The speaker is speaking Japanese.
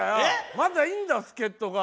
まだいんだ助っとが。